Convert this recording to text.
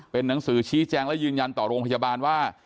เป็นหนังสือชี้แจงและยืนยันต่อโรงพยาบาลว่า